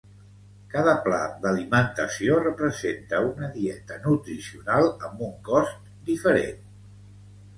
Cada pla d'alimentació representa una dieta nutricional amb un cost diferent.